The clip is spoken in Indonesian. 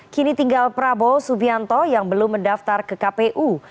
kini tinggal prabowo subianto yang belum mendaftar ke kpu